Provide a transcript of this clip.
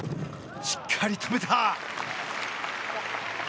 しっかり止めた！